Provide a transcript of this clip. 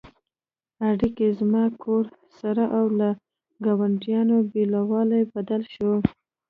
اړیکې «زما کور» سره او له ګاونډیانو بېلوالی بدل شو.